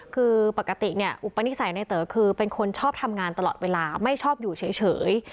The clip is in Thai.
คือปกติเนี่ยอุปนิสัยในเต๋อคือเป็นคนชอบทำงานตลอดเวลาไม่ชอบอยู่เฉย